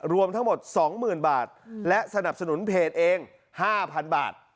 รวมทั้งหมด๒๐๐๐บาทและสนับสนุนเพจเอง๕๐๐๐บาท